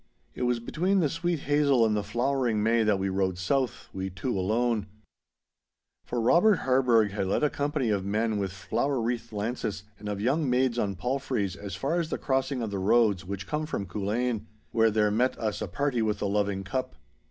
It was between the sweet hazel and the flowering May that we rode south—we two alone. For Robert Harburgh had led a company of men with flower wreathed lances and of young maids on palfreys as far as the crossing of the roads which come from Culzean, where there met us a party with the loving cup.